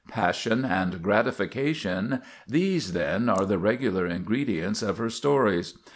Passion and gratification—these, then, are the regular ingredients of her stories.